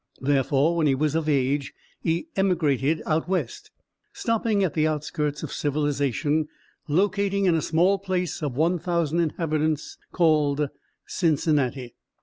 Therefore, when he was of age he emigrated "out west," stopping at the outskirts of civilization, locating in a small place of 1000 inhabitants called Cincinnati.